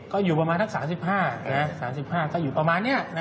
ก็อยู่ประมาณทั้ง๓๕นะครับ๓๕ก็อยู่ประมาณนี้นะครับ